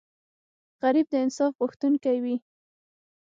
غریب د انصاف غوښتونکی وي